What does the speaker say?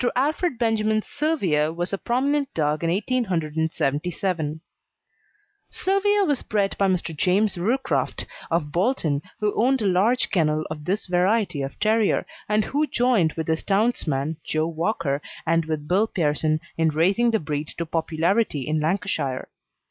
Alfred Benjamin's Silvio was a prominent dog in 1877. Silvio was bred by Mr. James Roocroft, of Bolton, who owned a large kennel of this variety of terrier, and who joined with his townsman, Joe Walker, and with Bill Pearson in raising the breed to popularity in Lancashire.